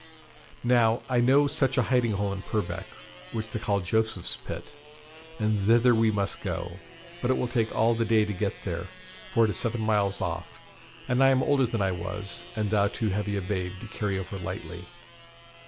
Now, I know such a hiding hole in Purbeck, which they call Joseph's Pit, and thither we must go; but it will take all the day to get there, for it is seven miles off, and I am older than I was, and thou too heavy a babe to carry over lightly.'